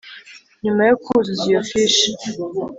nyuma yo kuzuza iyo fishi,